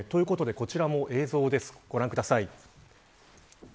こちらも映像をご覧ください。